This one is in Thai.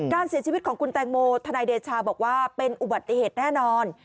การเสียชีวิตของคุณแตงโมทนายเดชาบอกว่าเป็นอุบัติเหตุแน่นอน